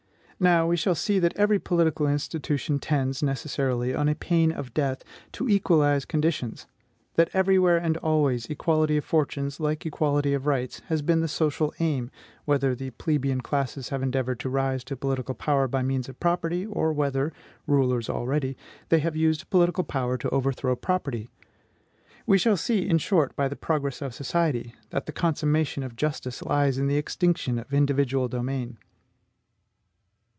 Now, we shall see that every political institution tends, necessarily, and on pain of death, to equalize conditions; that every where and always equality of fortunes (like equality of rights) has been the social aim, whether the plebeian classes have endeavored to rise to political power by means of property, or whether rulers already they have used political power to overthrow property. We shall see, in short, by the progress of society, that the consummation of justice lies in the extinction of individual domain.